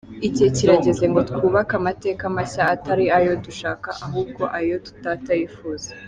Igihe kirageze ngo twubake amateka mashya atari ayo dushaka, ahubwo ayo Data yifuza.